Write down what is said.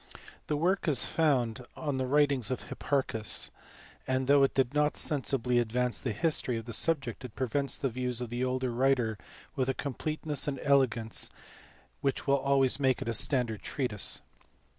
The work is founded on the writings of Hipparchus, and, though it did not sensibly advance the theory of the subject, it presents the views of the older writer with a com pleteness and elegance which will always make it a standard treatise.